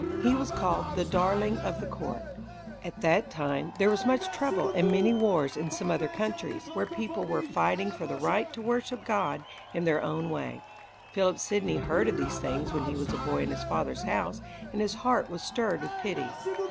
He was called "the darling of the court". [Illustration: SIR PHILIP SIDNEY°] At that time, there was much trouble and many wars in some other countries, where people were fighting for the right to worship God in their own way. Philip Sidney heard of these things when he was a boy in his father's house, and his heart was stirred with pity.